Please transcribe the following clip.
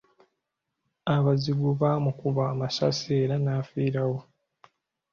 Abazigu baamukuba amasasi era n’afiirawo.